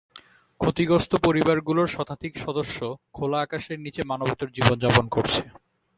ক্ষতিগ্রস্ত পরিবারগুলোর শতাধিক সদস্য খোলা আকাশের নিচে মানবেতর জীবন যাপন করছে।